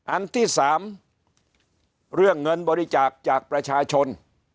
อันที่๓เรื่องเงินบริจาคจากประชาชน